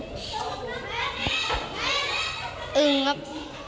ร่วมถูกพึ่งครับ